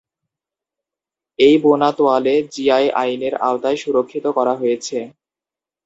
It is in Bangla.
এই বোনা তোয়ালে জিআই আইনের আওতায় সুরক্ষিত করা হয়েছে।